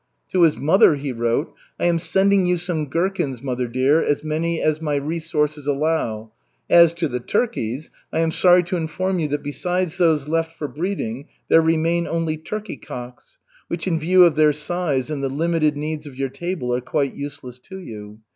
To his mother he wrote: "I am sending you some gherkins, mother dear, as many as my resources allow. As to the turkeys, I am sorry to inform you that besides those left for breeding, there remain only turkey cocks, which in view of their size and the limited needs of your table are quite useless to you.